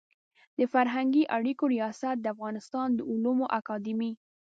د فرهنګي اړیکو ریاست د افغانستان د علومو اکاډمي